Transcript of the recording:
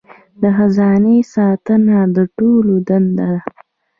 د خزانې ساتنه د ټولو دنده ده.